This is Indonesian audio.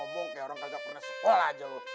ngomong kayak orang kagak pernah sekolah aja lo